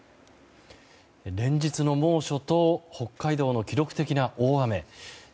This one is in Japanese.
連日の猛暑と北海道の記録的な大雨。